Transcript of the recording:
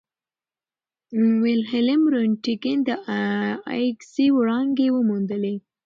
ویلهلم رونټګن د ایکس وړانګې وموندلې.